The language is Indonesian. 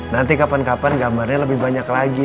nanti kapan kapan gambarnya lebih banyak lagi